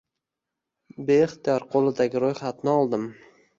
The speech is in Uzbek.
Beixtiyor qo`lidagi ro`yxatni oldim